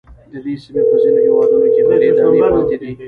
د دې سیمې په ځینو هېوادونو کې غلې دانې پاتې دي.